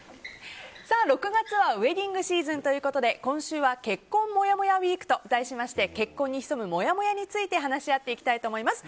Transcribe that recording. ６月はウェディングシーズンということで今週は結婚もやもやウィークと題しまして結婚に潜むもやもやについて話し合っていきたいと思います。